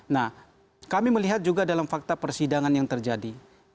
nah kami melihat juga dalam fakta persidangan yang terjadi